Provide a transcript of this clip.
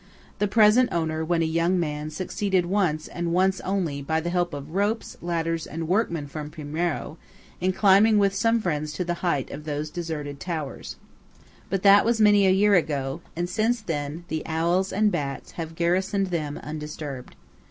The present owner, when a young man, succeeded once, and once only, by the help of ropes, ladders, and workmen from Primiero, in climbing with some friends to the height of those deserted towers; but that was many a year ago, and since then the owls and bats have garrisoned them undisturbed.